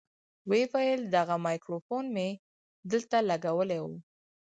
ويې ويل دغه ميکروفون مې دلته لګولى و.